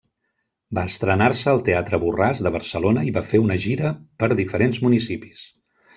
Va estrenar-se al Teatre Borràs de Barcelona i va fer una gira per diferents municipis.